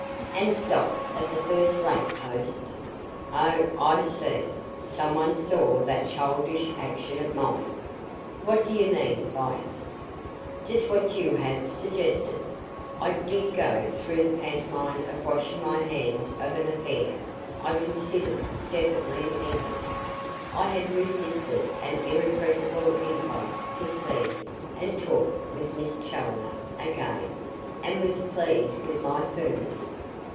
"And stopped at the first lamp post?" "Oh, I see. Someone saw that childish action of mine." "What did you mean by it?" "Just what you have suggested. I did go through the pantomime of washing my hands of an affair I considered definitely ended. I had resisted an irrepressible impulse to see and talk with Miss Challoner again, and was pleased with my firmness.